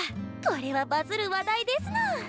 これはバズる話題ですの！